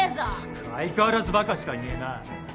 相変わらずバカしかいねえな。